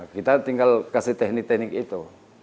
kita tinggal kasih teknik teknik itu